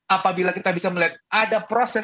apabila kita bisa melihat ada proses